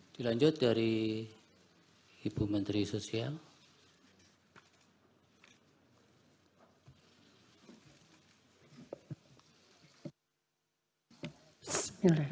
dilanjut dari ibu menteri sosial